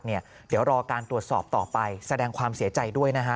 เดี๋ยวรอการตรวจสอบต่อไปแสดงความเสียใจด้วยนะฮะ